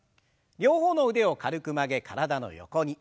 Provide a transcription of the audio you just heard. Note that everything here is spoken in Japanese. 両方の腕を軽く曲げ体の横に。